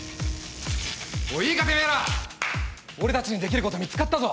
おいいいかてめえら俺たちにできること見つかったぞ。